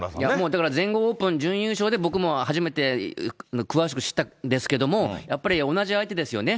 だから全豪オープン準優勝で、僕も初めて詳しく知ったんですけど、やっぱり同じ相手ですよね。